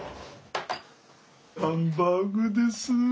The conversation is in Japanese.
ハンバーグです。